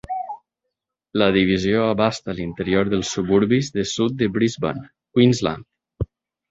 La divisió abasta l'interior dels suburbis de sud de Brisbane, Queensland.